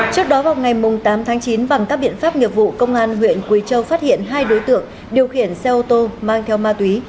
trước đó vào ngày tám tháng chín bằng các biện pháp nghiệp vụ công an huyện quỳ châu phát hiện hai đối tượng điều khiển xe ô tô mang theo ma túy